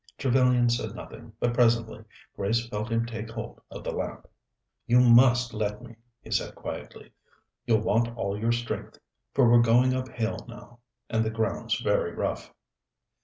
Trevellyan said nothing, but presently Grace felt him take hold of the lamp. "You must let me," he said quietly. "You'll want all your strength, for we're going uphill now, and the ground's very rough."